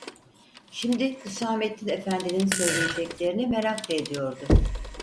Şimdi Hüsamettin efendinin söyleyeceklerini merak da ediyordu.